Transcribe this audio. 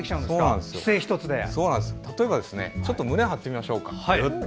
例えば、ちょっと胸を張ってみましょうか。